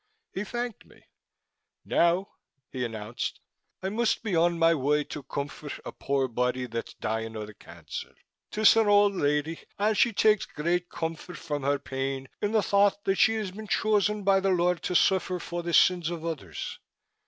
He thanked me. "Now," he announced. "I must be on my way to comfort a poor body that's dying o' the cancer. 'Tis an old lady and she takes great comfort from her pain in the thought that she has been chosen by the Lord to suffer for the sins of others.